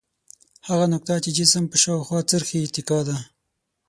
هغه نقطه چې جسم په شاوخوا څرخي اتکا ده.